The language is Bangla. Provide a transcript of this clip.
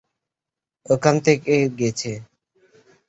ওখান থেকে গেছে।